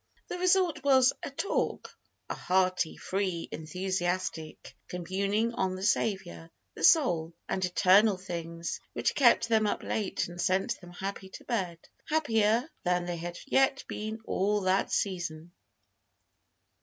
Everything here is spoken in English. The result was "a talk" a hearty, free, enthusiastic communing on the Saviour, the soul, and eternal things, which kept them up late and sent them happy to bed happier than they had yet been all that season.